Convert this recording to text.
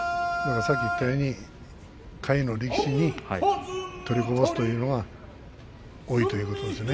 さっき言ったように下位の力士に取りこぼすというのが多いということですよね。